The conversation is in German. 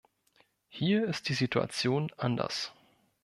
Hier ist die Situation anders.